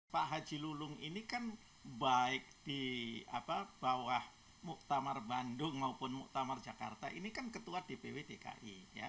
pak haji lulung ini kan baik di bawah muktamar bandung maupun muktamar jakarta ini kan ketua dpw dki